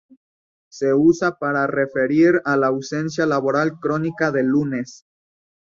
Se usa para referir a la ausencia laboral crónica del lunes.